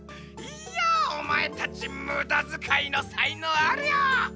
いやおまえたちむだづかいのさいのうあるよ！